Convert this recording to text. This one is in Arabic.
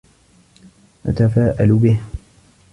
نتفائل به.